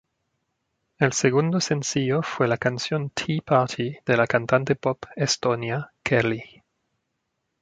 El segundo sencillo fue la canción Tea Party de la cantante pop estonia Kerli.